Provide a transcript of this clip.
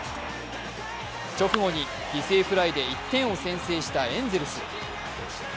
直後に犠牲フライで１点を先制したエンゼルス。